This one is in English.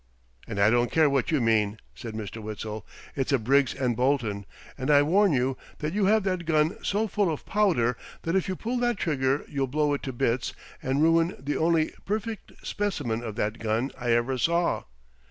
"And I don't care what you mean," said Mr. Witzel. "It's a Briggs & Bolton, and I warn you that you have that gun so full of powder that if you pull that trigger you'll blow it to bits and ruin the only perfect specimen of that gun I ever saw!"